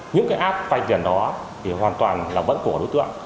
những cái app vay tiền đó thì hoàn toàn là vẫn của đối tượng